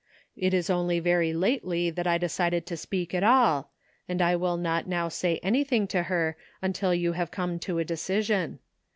It is only very lately that I decided to speak at all, and I will not now say anything to her until you have come to a decision.